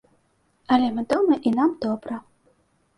Але мы дома, і нам добра.